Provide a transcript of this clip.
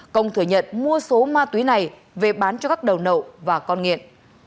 công thừa nhận mua số ma túy này về bán cho các đầu nậu và con nghiện